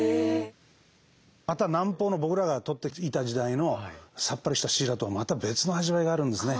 また南方の僕らが取っていた時代のさっぱりしたシイラとはまた別の味わいがあるんですね。